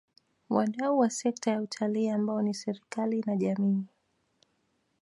Wadau wa sekta ya Utalii ambao ni serikali na jamii